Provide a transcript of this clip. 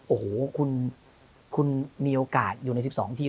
โอ้โหคุณมีโอกาสอยู่ใน๑๒ทีม